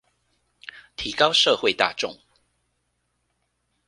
提高社會大眾